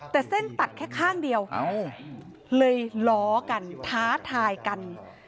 แต่เส้นตัดแค่ข้างเดียวเลยล้อกันท้าทายกัน